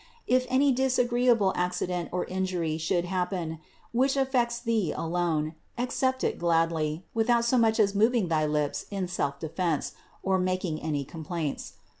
If any disagreeable accident or injury should happen, which affects thee alone, accept it gladly, without so much as moving thy lips in self defense, or making any complaints.